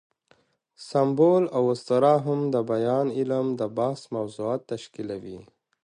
سمبول او اسطوره هم د بیان علم د بحث موضوعات تشکیلوي.